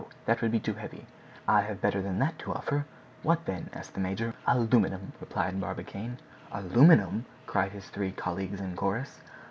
that would be too heavy. I have better than that to offer." "What then?" asked the major. "Aluminum!" replied Barbicane. "Aluminum?" cried his three colleagues in chorus.